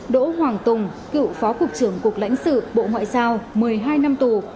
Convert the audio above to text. đỗ hoàng tùng cựu phó cục trưởng cục lãnh sự bộ ngoại giao một mươi hai năm tù